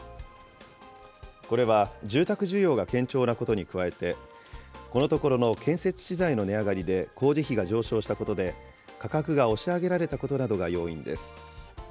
これは住宅需要が堅調なことに加え、このところの建設資材の値上がりで工事費が上昇したことで、価格が押し上げられたことなどが要因です。